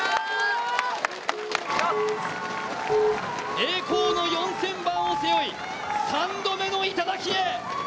栄光の４０００番を背負い３度目の頂へ。